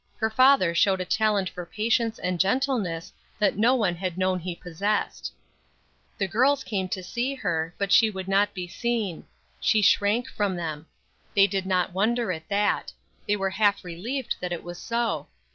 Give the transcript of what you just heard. Her father showed a talent for patience and gentleness that no one had known he possessed. The girls came to see her; but she would not be seen. She shrank from them. They did not wonder at that; they were half relieved that it was so.